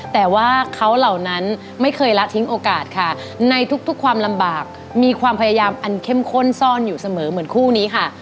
แต่ว่าเขาเหล่านั้นไม่เคยละทิ้งโอกาสค่ะในทุกความลำบากมีความพยายามอันเข้มข้นซ่อนอยู่เสมอเหมือนคู่นี้ค่ะ